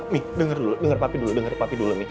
nih denger dulu dengar papi dulu dengar papi dulu nih